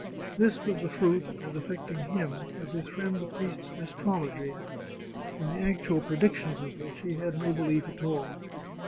This was the fruit, as affecting him, of his friend the priest's astrology, in the actual predictions of which he had no belief at all.